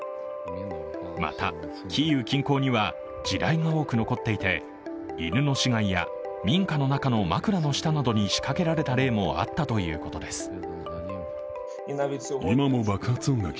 また、キーウ近郊には地雷が多く残っていて犬の死骸や民家の中の枕の下などに仕掛けられた例もあったということです。